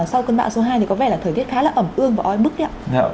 sau cơn bão số hai thì có vẻ là thời tiết khá là ẩm ươm và oi bức ạ